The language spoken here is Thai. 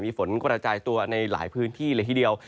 มีฝนกระจายตัวในหลายพื้นที่เลยทีเดียว